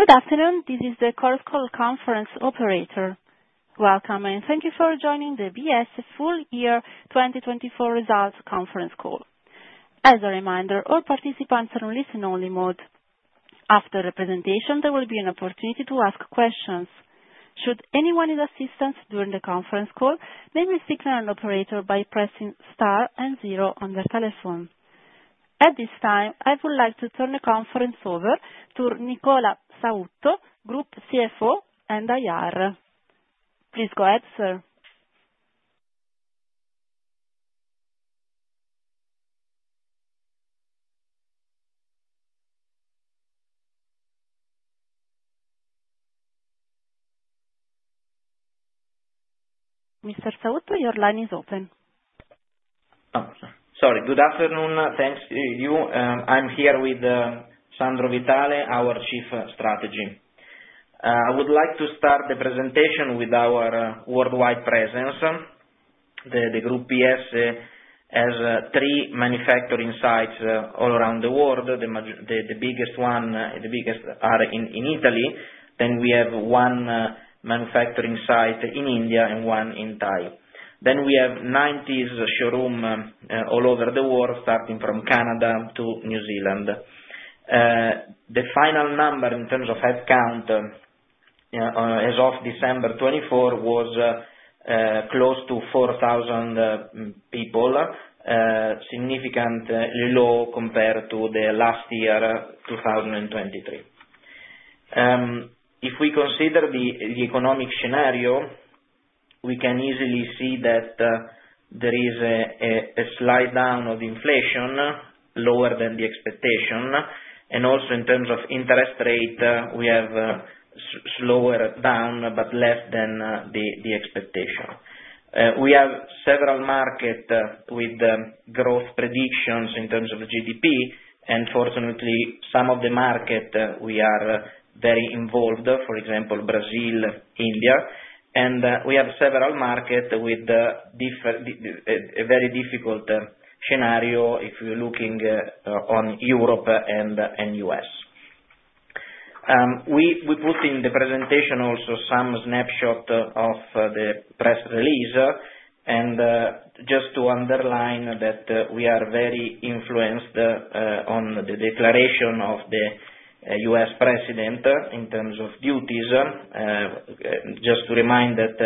Good afternoon. This is the Chorus Call Conference Operator. Welcome, and thank you for joining the Biesse Full Year 2024 Results Conference Call. As a reminder, all participants are in listen-only mode. After the presentation, there will be an opportunity to ask questions. Should anyone need assistance during the conference call, they may signal an operator by pressing star and zero on their telephone. At this time, I would like to turn the conference over to Nicola Sautto, Group CFO and IR. Please go ahead, sir. Mr. Sautto, your line is open. Sorry. Good afternoon, thanks to you. I'm here with Sandro Vitale, our Chief Strategy. I would like to start the presentation with our worldwide presence. The Group Biesse has three manufacturing sites all around the world. The biggest are in Italy, then we have one manufacturing site in India and one in Thailand. Then we have 90 showrooms all over the world, starting from Canada to New Zealand. The final number in terms of headcount, as of December 2024, was close to 4,000 people, significant low compared to the last year, 2023. If we consider the economic scenario, we can easily see that there is a slight down of inflation, lower than the expectation, and also in terms of interest rate, we have a slowdown, but less than the expectation. We have several markets with growth predictions in terms of GDP, and fortunately, some of the markets we are very involved, for example, Brazil, India. We have several markets with a very difficult scenario if you're looking on Europe and US. We put in the presentation also some snapshot of the press release, and just to underline that we are very influenced on the declaration of the US President in terms of duties. Just to remind that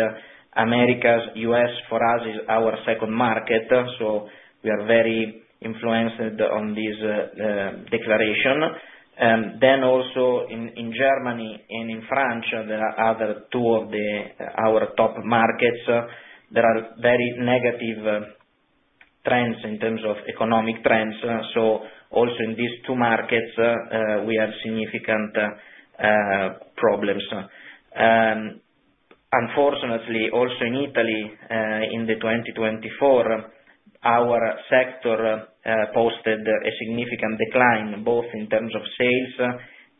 Americas, US, for us, is our second market, so we are very influenced on this declaration. Then also in Germany and in France, there are other two of the our top markets, there are very negative trends in terms of economic trends, so also in these two markets we have significant problems. Unfortunately, also in Italy, in the 2024, our sector posted a significant decline, both in terms of sales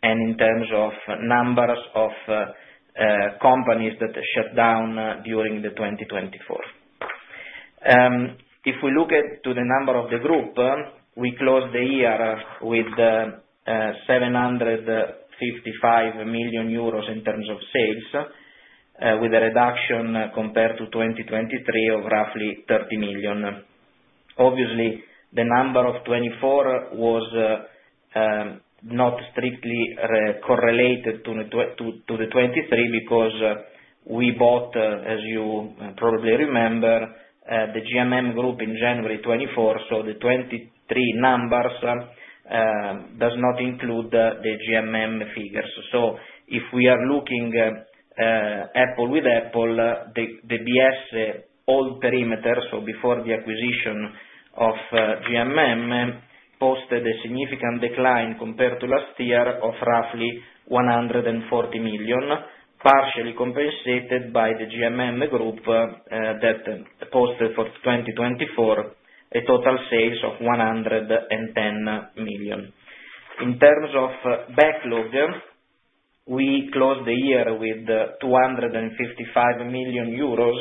and in terms of numbers of companies that shut down during the 2024. If we look at to the number of the group, we closed the year with 755 million euros in terms of sales, with a reduction compared to 2023 of roughly 30 million. Obviously, the number of 2024 was not strictly correlated to the 2023, because we bought, as you probably remember, the GMM Group in January 2024, so the 2023 numbers does not include the GMM figures. So if we are looking apples to apples, the Biesse old perimeter, so before the acquisition of GMM, posted a significant decline compared to last year of roughly 140 million, partially compensated by the GMM Group that posted for 2024, a total sales of 110 million. In terms of backlog, we closed the year with 255 million euros,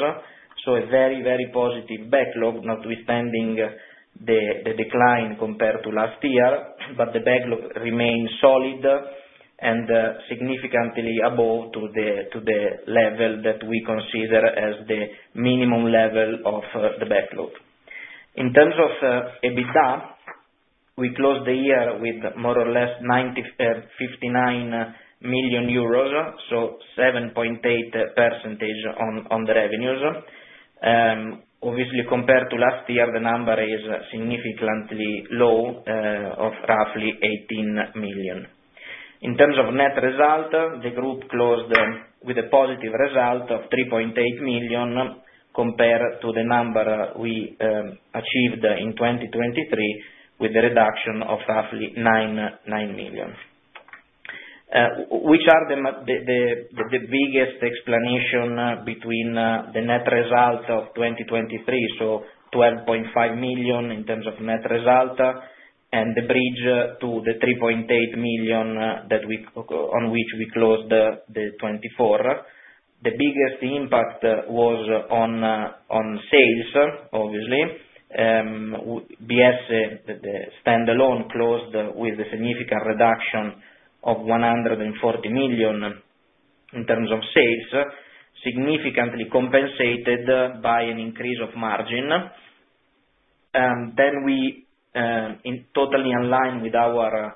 so a very, very positive backlog, notwithstanding the decline compared to last year, but the backlog remains solid and significantly above the level that we consider as the minimum level of the backlog. In terms of EBITDA, we closed the year with more or less 59 million euros, so 7.8% on the revenues. Obviously, compared to last year, the number is significantly low of roughly 18 million. In terms of net result, the group closed with a positive result of 3.8 million, compared to the number we achieved in 2023, with a reduction of roughly 9 million. Which are the biggest explanation between the net results of 2023, so 12.5 million in terms of net result, and the bridge to the 3.8 million that we closed the 2024. The biggest impact was on sales, obviously, with Biesse, the standalone closed with a significant reduction of 140 million in terms of sales, significantly compensated by an increase of margin. Then we, in totally in line with our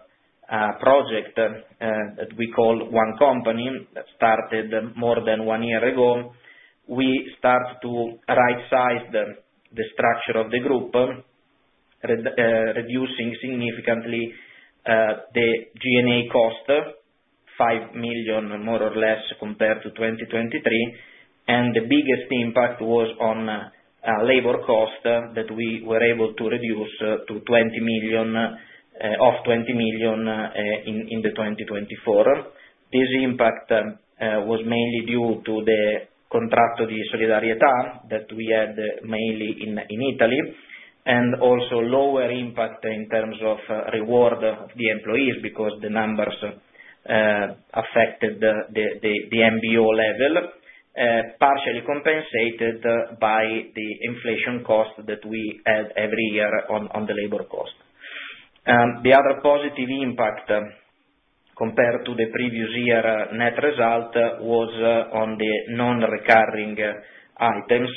project that we call One Company, that started more than one year ago, we start to right-size the structure of the group, reducing significantly the G&A cost, 5 million, more or less, compared to 2023, and the biggest impact was on labor cost, that we were able to reduce by EUR 20 million in 2024. This impact was mainly due to the contratto di solidarietà that we had, mainly in Italy, and also lower impact in terms of reward of the employees, because the numbers affected the MBO level, partially compensated by the inflation cost that we add every year on the labor cost. The other positive impact, compared to the previous year net result, was on the non-recurring items,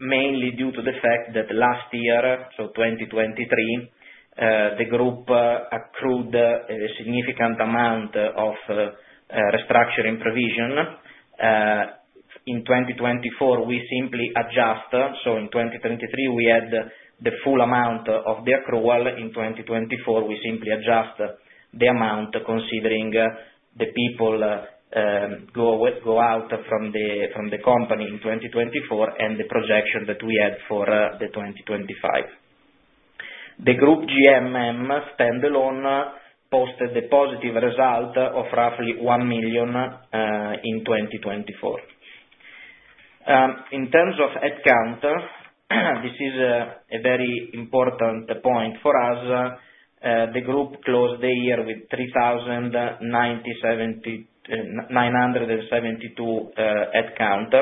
mainly due to the fact that last year, so 2023, the group accrued a significant amount of restructuring provision. In 2024, we simply adjust, so in 2023, we had the full amount of the accrual, in 2024, we simply adjust the amount, considering the people go away, go out from the from the company in 2024, and the projection that we had for the 2025. The group GMM standalone posted a positive result of roughly 1 million in 2024. In terms of headcount, this is a very important point for us. The group closed the year with 3,972 headcount.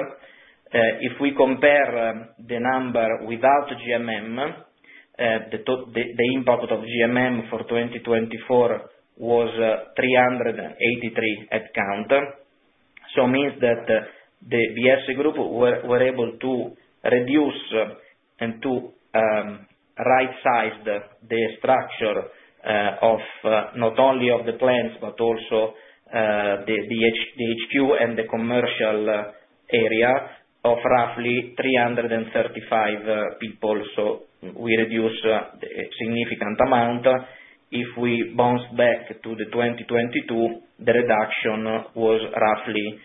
If we compare the number without GMM, the impact of GMM for 2024 was 383 headcount. So means that the Biesse Group were able to reduce and to rightsize the structure of not only the plants, but also the HQ and the commercial area of roughly 335 people, so we reduce a significant amount. If we bounce back to the 2022, the reduction was roughly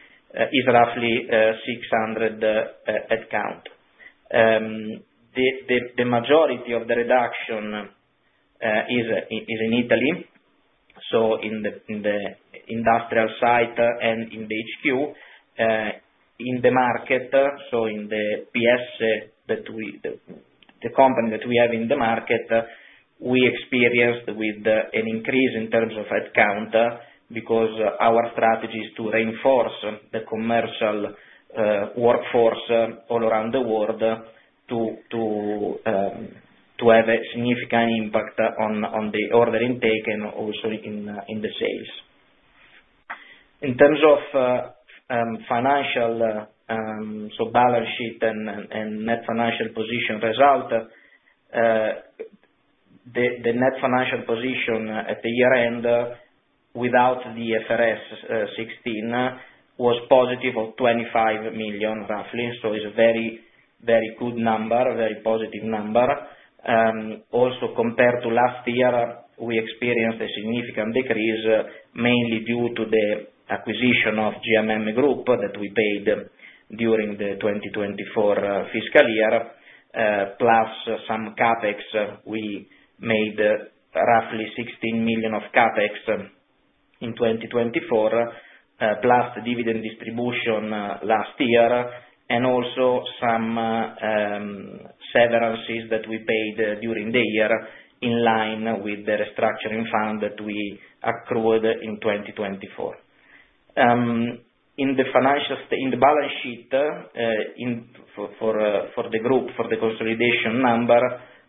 600 headcount. The majority of the reduction is in Italy, so in the industrial side and in the HQ, in the market, so in the Biesse, that we, the company that we have in the market, we experienced with an increase in terms of head count, because our strategy is to reinforce the commercial workforce all around the world to have a significant impact on the order intake and also in the sales. In terms of financial, so balance sheet and net financial position result, the net financial position at the year end, without the IFRS 16, was positive 25 million, roughly. It's a very good number, a very positive number. Also, compared to last year, we experienced a significant decrease, mainly due to the acquisition of GMM Group, that we paid during the 2024 fiscal year, plus some CapEx. We made roughly 16 million of CapEx in 2024, plus the dividend distribution last year, and also some severances that we paid during the year, in line with the restructuring fund that we accrued in 2024. In the balance sheet, for the group, for the consolidation number,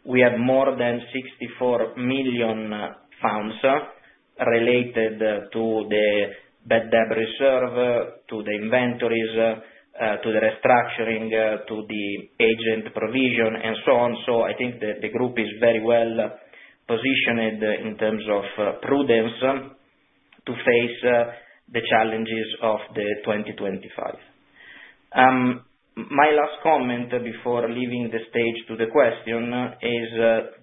we have more than 64 million related to the bad debt reserve, to the inventories, to the restructuring, to the agent provision, and so on. So I think the group is very well positioned in terms of prudence, to face the challenges of the 2025. My last comment before leaving the stage to the question is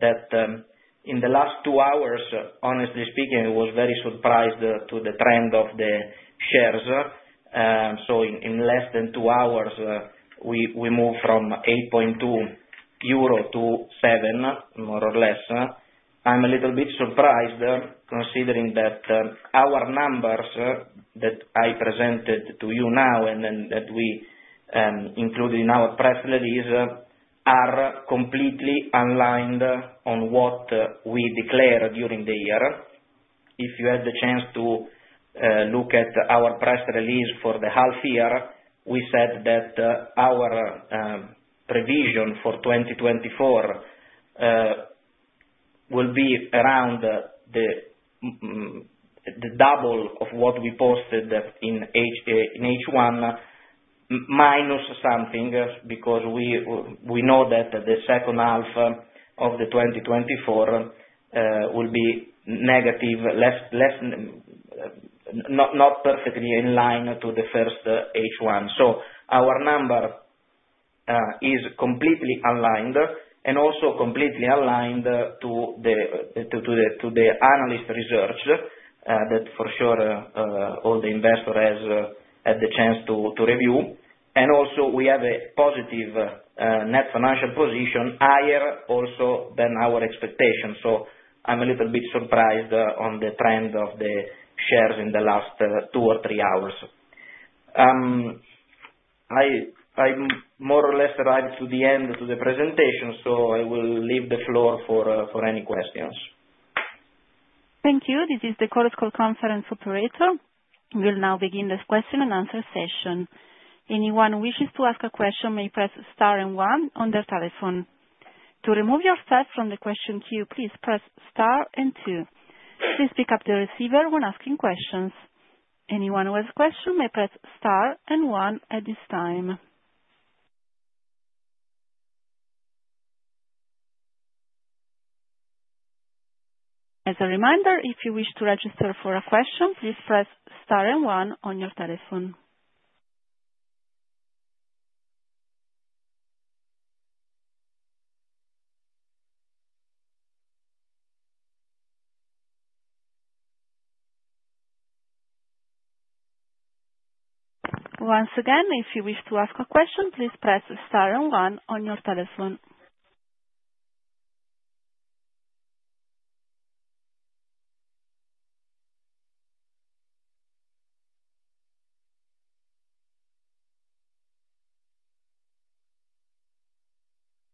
that in the last two hours, honestly speaking, I was very surprised to the trend of the shares. So in less than two hours, we moved from 8.2 euro to 7, more or less. I'm a little bit surprised, considering that our numbers that I presented to you now, and then, that we included in our press release are completely aligned on what we declare during the year. If you had the chance to look at our press release for the half year, we said that our provision for 2024 will be around the double of what we posted in H1 minus something, because we know that the second half of the 2024 will be negative, less not perfectly in line to the first H1. So our number is completely aligned, and also completely aligned to the analyst research that for sure all the investor has had the chance to review. And also, we have a positive net financial position, higher also than our expectations. So I'm a little bit surprised on the trend of the shares in the last two or three hours. I more or less arrived at the end of the presentation, so I will leave the floor for any questions. Thank you. This is the Chorus Call Conference Operator. We'll now begin the Q&A session. Anyone wishing to ask a question may press star and one on their telephone. To remove yourself from the question queue, please press star and two. Please pick up the receiver when asking questions. Anyone who has a question may press star and one at this time. As a reminder, if you wish to register for a question, please press star and one on your telephone. Once again, if you wish to ask a question, please press star and one on your telephone.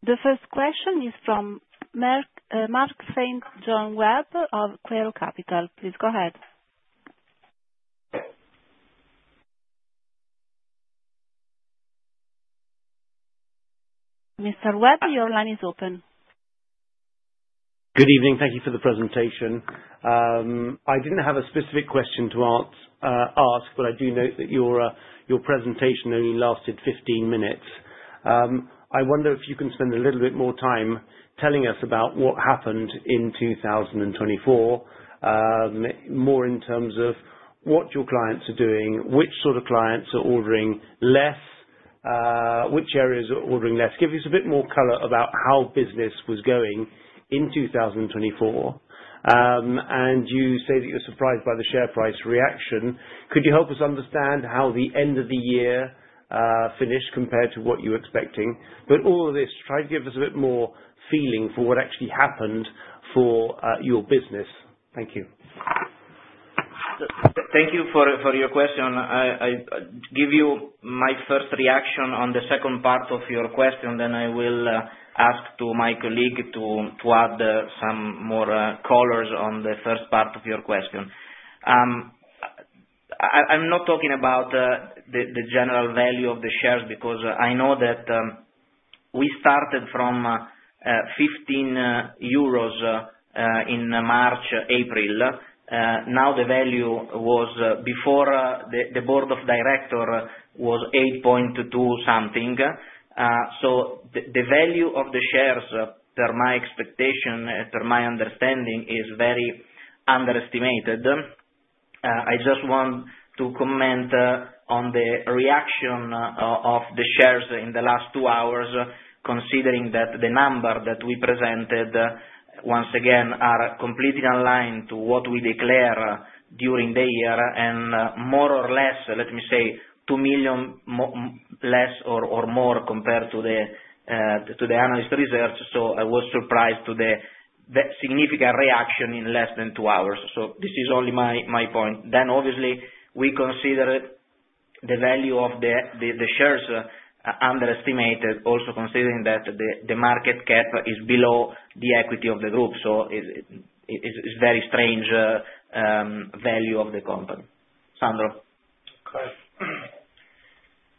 The first question is from Marc Saint John Webb of Quaero Capital. Please go ahead. Mr. Webb, your line is open. Good evening. Thank you for the presentation. I didn't have a specific question to ask, but I do note that your, your presentation only lasted 15 minutes. I wonder if you can spend a little bit more time telling us about what happened in 2024, more in terms of what your clients are doing, which sort of clients are ordering less, which areas are ordering less? Give us a bit more color about how business was going in 2024. And you say that you're surprised by the share price reaction. Could you help us understand how the end of the year finished, compared to what you were expecting? All of this, try to give us a bit more feeling for what actually happened for your business. Thank you. Thank you for your question. I give you my first reaction on the second part of your question, then I will ask to my colleague to add some more colors on the first part of your question. I'm not talking about the general value of the shares, because I know that we started from 15 euros in March, April. Now, the value was before the Board of Directors was 8.2 something. So the value of the shares, per my expectation, per my understanding, is very underestimated. I just want to comment on the reaction of the shares in the last two hours, considering that the numbers that we presented once again are completely aligned to what we declare during the year, and more or less, let me say, two million less or more, compared to the analyst research. So I was surprised by the significant reaction in less than two hours. So this is only my point. Then, obviously, we consider the value of the shares underestimated, also considering that the market cap is below the equity of the group, so it is very strange value of the company. Sandro? Okay.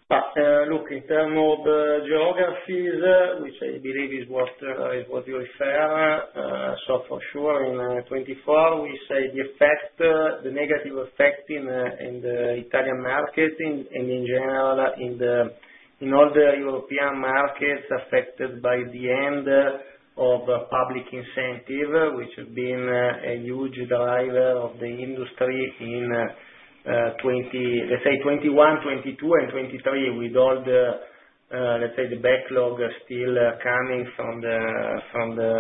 But look, in terms of the geographies, which I believe is what you refer, so for sure, in 2024, we see the effect, the negative effect in the Italian market, and in general, in all the European markets affected by the end of public incentive, which has been a huge driver of the industry in 20... let's say 2021, 2022 and 2023, with all the, let's say, the backlog still coming from the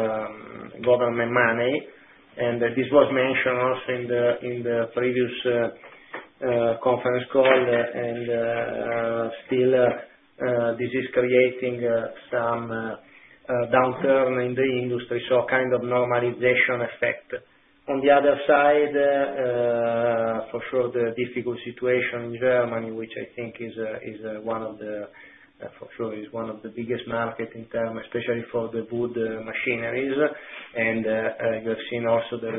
government money. And this was mentioned also in the previous conference call, and still this is creating some downturn in the industry, so a kind of normalization effect. On the other side... For sure, the difficult situation in Germany, which I think is for sure one of the biggest market in terms, especially for the wood machineries. And you have seen also the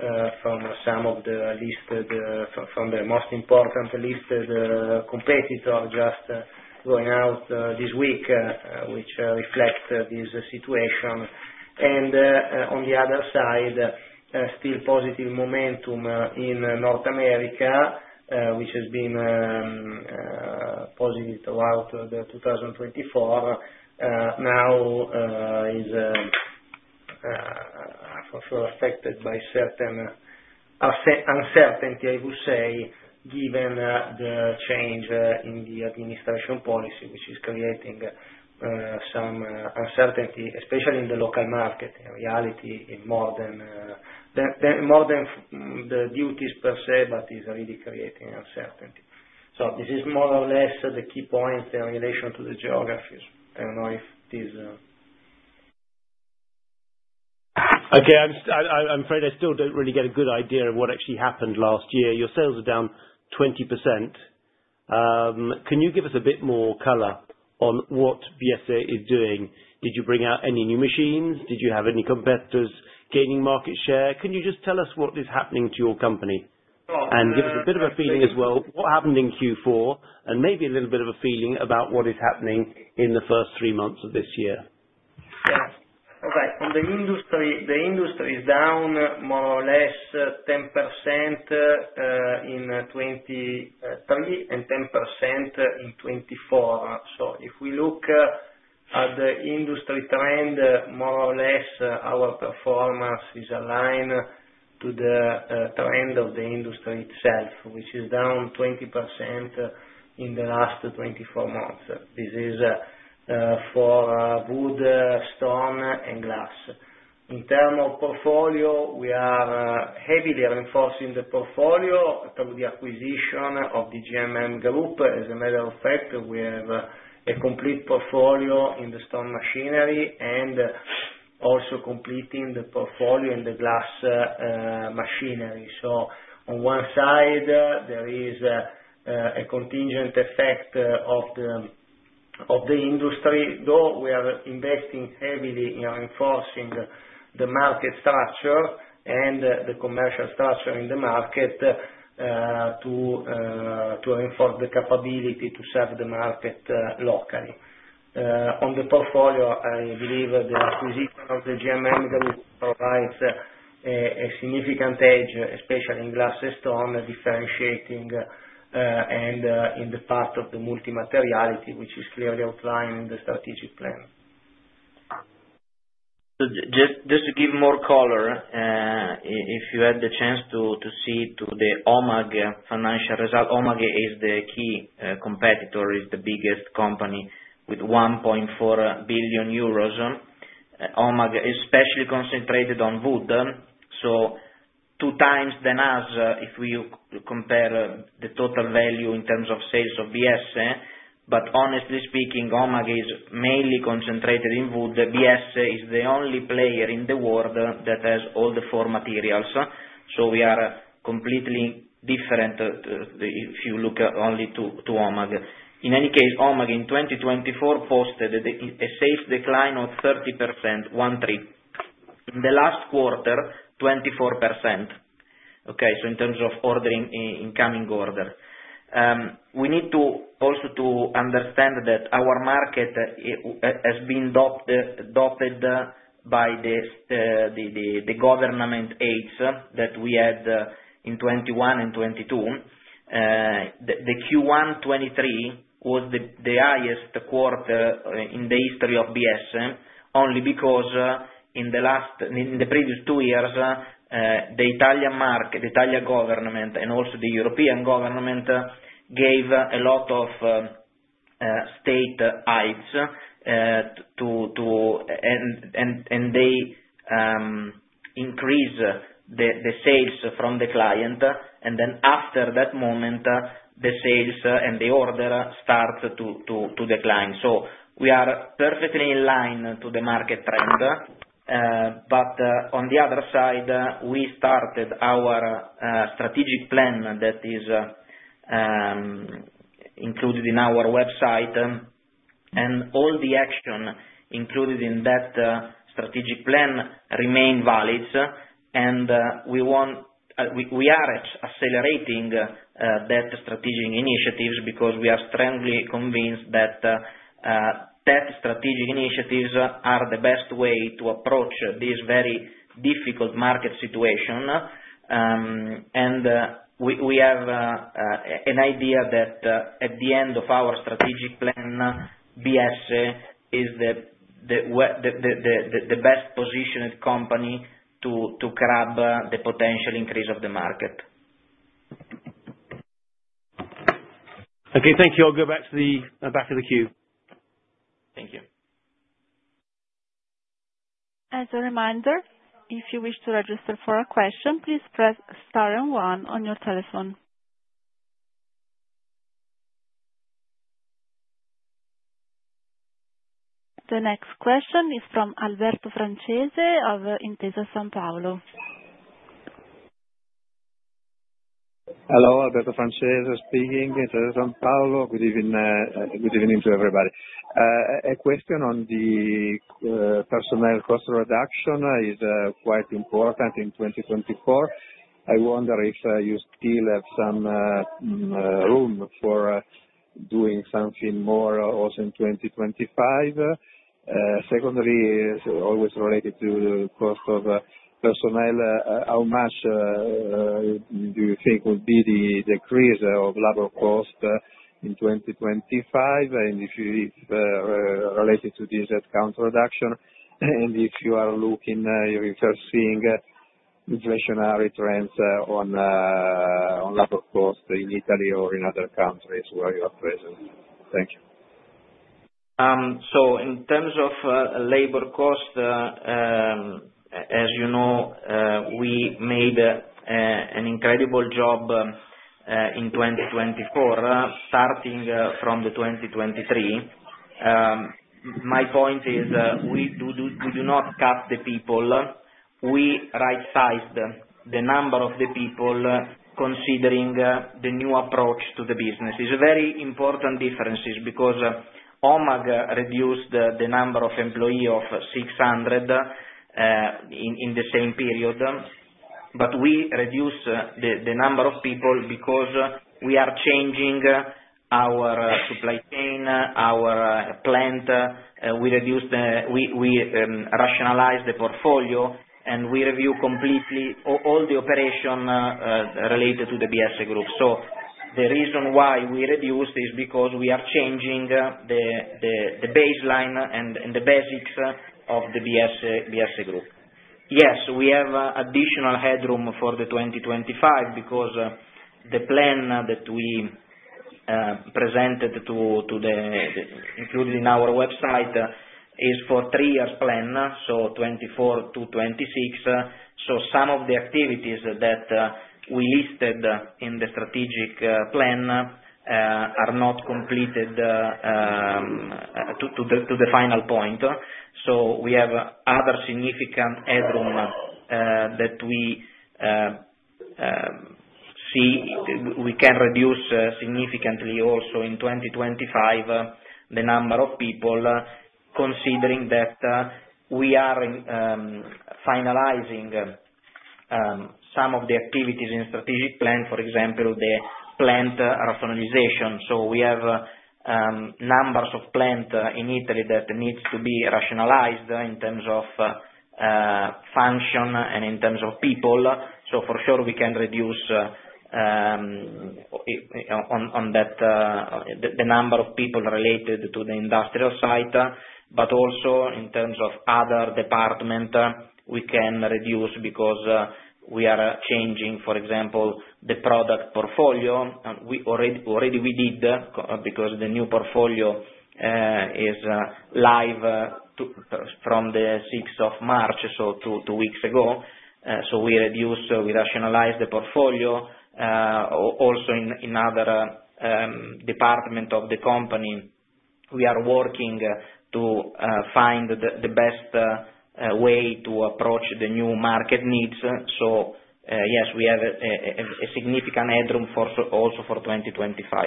result from some of the listed from the most important listed competitor just going out this week, which reflect this situation. And on the other side, still positive momentum in North America, which has been positive throughout the 2024. Now is for sure affected by certain uncertainty, I would say, given the change in the administration policy, which is creating some uncertainty, especially in the local market. In reality, it's more than the duties per se, but it's really creating uncertainty. So this is more or less the key points in relation to the geographies. I don't know if this Okay, I'm afraid I still don't really get a good idea of what actually happened last year. Your sales are down 20%. Can you give us a bit more color on what Biesse is doing? Did you bring out any new machines? Did you have any competitors gaining market share? Can you just tell us what is happening to your company? Well, uh- And give us a bit of a feeling as well, what happened in Q4, and maybe a little bit of a feeling about what is happening in the first three months of this year? Yeah. Okay. On the industry, the industry is down, more or less, 10% in 2023 and 10% in 2024. So if we look at the industry trend, more or less, our performance is aligned to the trend of the industry itself, which is down 20% in the last 24 months. This is for wood, stone, and glass. In terms of portfolio, we are heavily reinforcing the portfolio through the acquisition of the GMM Group. As a matter of fact, we have a complete portfolio in the stone machinery, and also completing the portfolio in the glass machinery. So on one side, there is a contingent effect of the industry, though we are investing heavily in reinforcing the market structure and the commercial structure in the market, to reinforce the capability to serve the market locally. On the portfolio, I believe the acquisition of the GMM Group provides a significant edge, especially in glass and stone, differentiating and in the part of the multi-materiality, which is clearly outlined in the strategic plan. Just to give more color, if you had the chance to see the HOMAG financial result, HOMAG is the key competitor, is the biggest company with 1.4 billion euros. HOMAG is specially concentrated on wood, so two times than us, if we compare the total value in terms of sales of Biesse. But honestly speaking, HOMAG is mainly concentrated in wood. Biesse is the only player in the world that has all the four materials, so we are completely different, if you look only to HOMAG. In any case, HOMAG in 2024 posted a sales decline of 13%, 13. In the last quarter, 24%. Okay, so in terms of incoming order. We need to also understand that our market has been adopted by the government aids that we had in 2021 and 2022. The Q1 2023 was the highest quarter in the history of Biesse, only because in the previous two years the Italian market, the Italian Government and also the European Government gave a lot of state aids to. And they increase the sales from the client, and then after that moment the sales and the order start to decline. So we are perfectly in line to the market trend, but on the other side we started our strategic plan that is included in our website, and all the action included in that strategic plan remain valid. And we want we are accelerating that strategic initiatives, because we are strongly convinced that that strategic initiatives are the best way to approach this very difficult market situation. And we have an idea that at the end of our strategic plan, Biesse is the best positioned company to grab the potential increase of the market. Okay, thank you. I'll go back to the back of the queue. Thank you. As a reminder, if you wish to register for a question, please press star and one on your telephone. The next question is from Alberto Francese of Intesa Sanpaolo. Hello, Alberto Francese speaking, Intesa Sanpaolo. Good evening to everybody. A question on the personnel cost reduction is quite important in 2024. I wonder if you still have some room for doing something more also in 2025? Secondly, it's always related to cost of personnel, how much do you think will be the decrease of labor cost in 2025? And if related to the headcount reduction, and if you're seeing inflationary trends on labor cost in Italy or in other countries where you are present. Thank you. So in terms of labor cost, as you know, we made an incredible job in 2024, starting from 2023. My point is, we do not cut the people, we right-sized the number of the people, considering the new approach to the business. It's a very important differences, because HOMAG reduced the number of employee of 600 in the same period. But we reduced the number of people because we are changing our supply chain, our plant, we reduced, we rationalized the portfolio, and we review completely all the operation related to the Biesse Group. So the reason why we reduced is because we are changing the baseline and the basics of the Biesse Group. Yes, we have additional headroom for 2025, because the plan that we presented, including our website, is for three years plan, so 2024 to 2026. Some of the activities that we listed in the strategic plan are not completed to the final point. We have other significant headroom that we see we can reduce significantly also in 2025 the number of people, considering that we are finalizing some of the activities in strategic plan, for example, the plant rationalization. So we have numbers of plant in Italy that needs to be rationalized in terms of function and in terms of people. So for sure we can reduce on that the number of people related to the industrial site, but also in terms of other department we can reduce because we are changing, for example, the product portfolio. And we already we did because the new portfolio is live from March 6, 2024, so two weeks ago. So we reduced, we rationalized the portfolio also in other department of the company, we are working to find the best way to approach the new market needs. So yes, we have a significant headroom for also for 2025.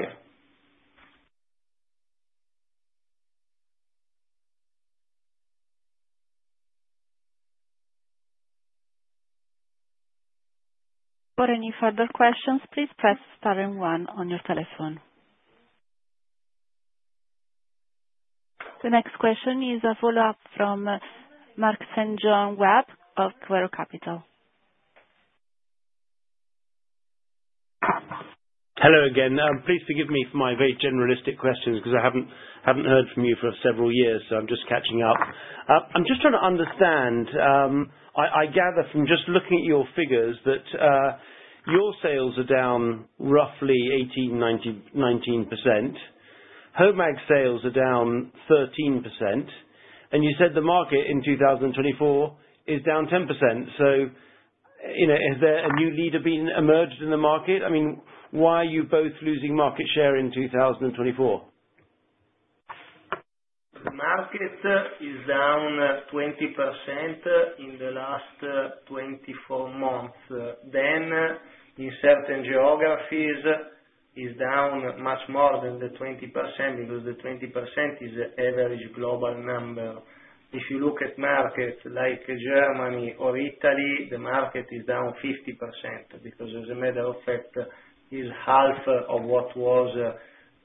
For any further questions, please press star and one on your telephone. The next question is a follow-up from Marc Saint John Webb of Quaero Capital. Hello again. Please forgive me for my very generalistic questions, because I haven't heard from you for several years, so I'm just catching up. I'm just trying to understand, I gather from just looking at your figures, that your sales are down roughly 18-19%. HOMAG sales are down 13%, and you said the market in 2024 is down 10%. So, you know, has there a new leader been emerged in the market? I mean, why are you both losing market share in 2024? The market is down 20% in the last 24 months, then, in certain geographies, is down much more than the 20%, because the 20% is average global number. If you look at markets like Germany or Italy, the market is down 50%, because as a matter of fact, is half of what was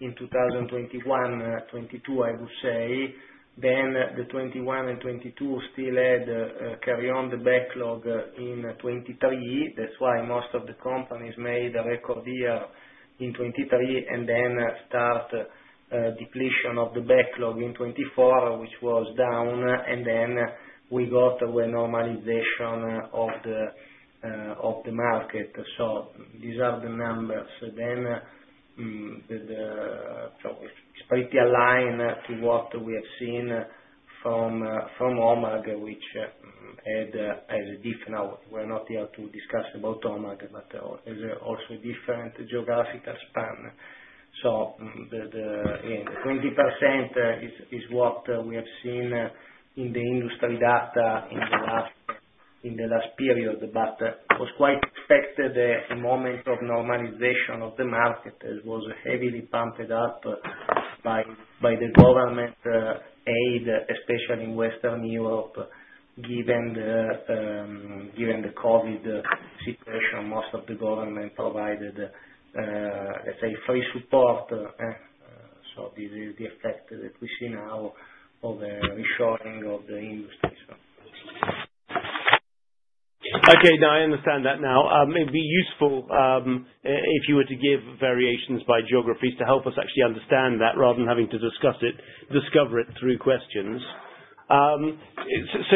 in 2021, 2022, I would say. Then 2021 and 2022 still had carry on the backlog in 2023. That's why most of the companies made a record year in 2023, and then start depletion of the backlog in 2024, which was down, and then we got a normalization of the market. These are the numbers. It's pretty aligned to what we have seen from HOMAG, which... As of now, we're not here to discuss about HOMAG, but is also different geographical span. So, the 20% is what we have seen in the industry data in the last period, but was quite expected, a moment of normalization of the market. It was heavily pumped up by the government aid, especially in Western Europe, given the COVID situation. Most of the governments provided, let's say, free support, so this is the effect that we see now of the reshoring of the industry. Okay. Now, I understand that now. It'd be useful if you were to give variations by geographies to help us actually understand that, rather than having to discover it through questions. So,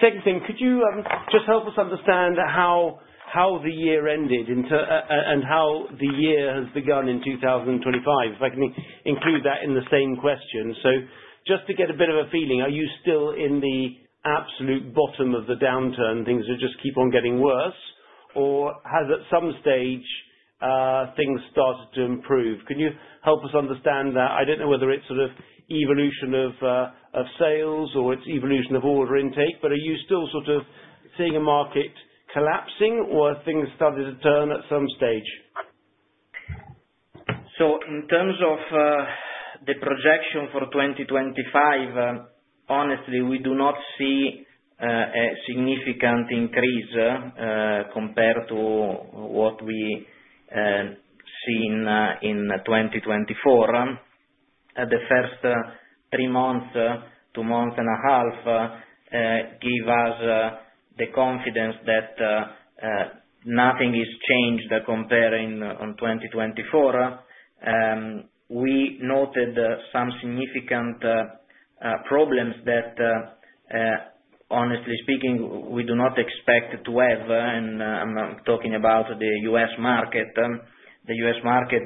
second thing, could you just help us understand how the year ended in 2024 and how the year has begun in 2025? If I can include that in the same question. So just to get a bit of a feeling, are you still in the absolute bottom of the downturn, things will just keep on getting worse? Or has, at some stage, things started to improve? Can you help us understand that? I don't know whether it's sort of evolution of sales or it's evolution of order intake, but are you still sort of seeing a market collapsing or things started to turn at some stage? So in terms of the projection for 2025, honestly, we do not see a significant increase compared to what we seen in 2024. The first three months, two months and a half, give us the confidence that nothing is changed comparing on 2024. We noted some significant problems that, honestly speaking, we do not expect to have, and I'm talking about the US market. The US market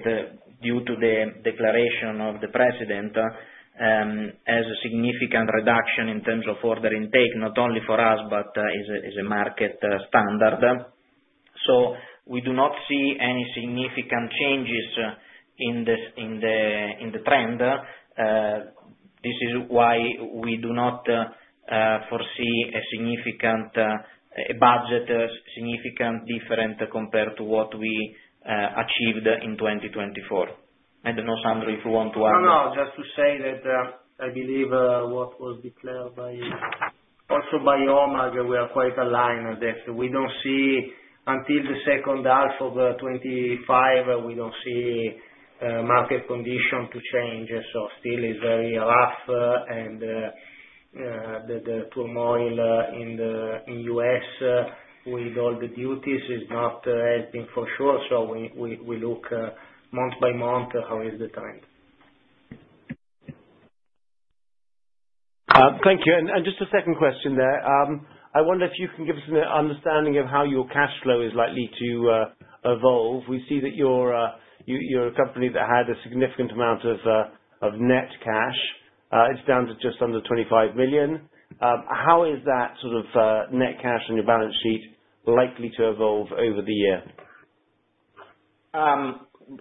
due to the declaration of the president has a significant reduction in terms of order intake, not only for us, but is a market standard. So we do not see any significant changes in the trend. This is why we do not foresee a significant difference compared to what we achieved in 2024. I don't know, Sandro, if you want to add? No, no, just to say that, I believe what was declared by you. Also, by HOMAG, we are quite aligned on that. We don't see until the second half of 2025 we don't see market condition to change. So still is very rough, and the turmoil in the US with all the duties is not helping, for sure. So we look month by month how is the trend. Thank you. And just a second question there. I wonder if you can give us an understanding of how your cash flow is likely to evolve. We see that you're a company that had a significant amount of net cash. It's down to just under 25 million. How is that sort of net cash on your balance sheet likely to evolve over the year?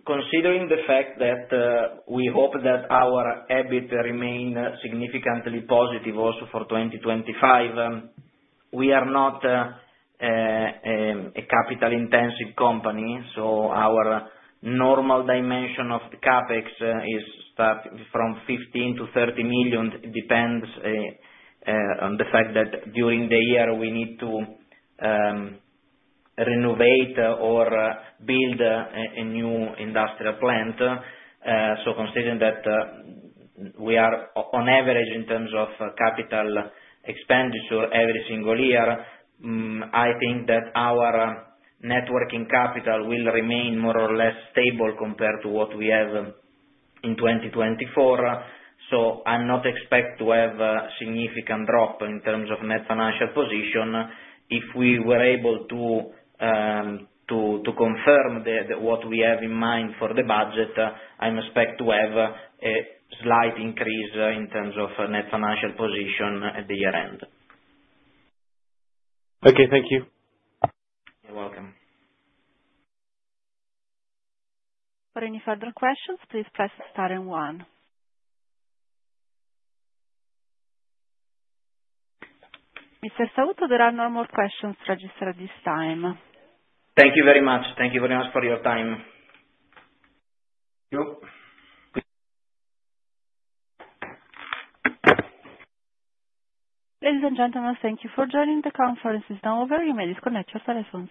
Considering the fact that we hope that our EBITDA remain significantly positive also for 2025, we are not a capital-intensive company, so our normal dimension of the CapEx is starting from 15 to 30 million. It depends on the fact that during the year we need to renovate or build a new industrial plant. Considering that, we are on average in terms of CapEx every single year. I think that our net working capital will remain more or less stable compared to what we have in 2024. I am not expecting to have a significant drop in terms of net financial position. If we were able to confirm what we have in mind for the budget, I expect to have a slight increase in terms of net financial position at the year-end. Okay. Thank you. You're welcome. For any further questions, please press star and one. Mr. Sautto, there are no more questions registered at this time. Thank you very much. Thank you very much for your time. Thank you. Ladies and gentlemen, thank you for joining. The conference is now over. You may disconnect your telephones.